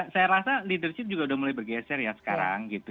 saya rasa leadership juga udah mulai bergeser ya sekarang gitu